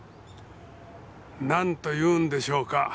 なんと言うんでしょうか。